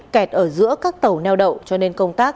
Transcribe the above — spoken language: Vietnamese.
kẹt ở giữa các tàu neo đậu cho nên công tác